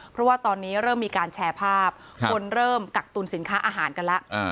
เพราะว่าตอนนี้เริ่มมีการแชร์ภาพคนเริ่มกักตุลสินค้าอาหารกันแล้ว